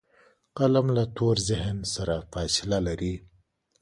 قلم له تور ذهن سره فاصله لري